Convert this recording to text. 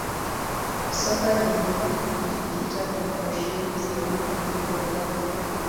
soka lilijikita kwenye ushindi zaidi kuliko burudani